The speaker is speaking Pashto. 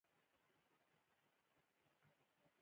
دځنګل حاصلات د افغانانو د تفریح یوه وسیله ده.